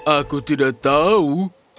aku tidak tahu